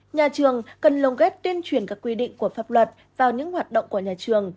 nhà trường cần lồng ghép tuyên truyền các quy định của pháp luật vào những hoạt động của nhà trường